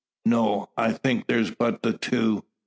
"No. I think there's but the two.